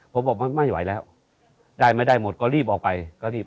ผมบอกไม่ไหวแล้วได้ไม่ได้หมดก็รีบออกไปก็รีบ